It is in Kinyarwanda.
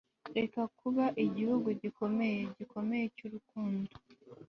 Reka kuba igihugu gikomeye gikomeye cyurukundo